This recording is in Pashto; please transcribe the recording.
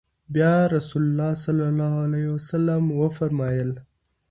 بيا رسول الله صلی الله عليه وسلم وفرمايل: